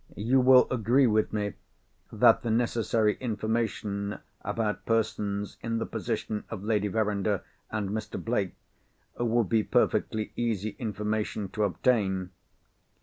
You will agree with me that the necessary information about persons in the position of Lady Verinder and Mr. Blake, would be perfectly easy information to obtain.